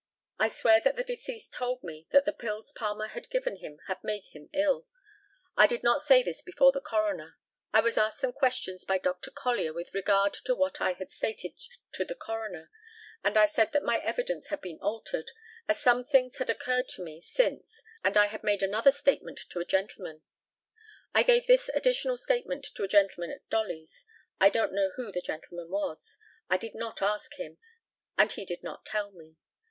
I swear that the deceased told me that the pills Palmer had given him had made him ill. I did not say this before the coroner. I was asked some questions by Dr. Collier with regard to what I had stated to the coroner, and I said that my evidence had been altered, as some things had occurred to me since, and I had made another statement to a gentleman. I gave this additional statement to a gentleman at Dolly's. I don't know who the gentleman was. I did not ask him, and he did not tell me.